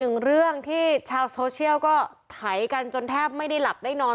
หนึ่งเรื่องที่ชาวโซเชียลก็ไถกันจนแทบไม่ได้หลับได้นอน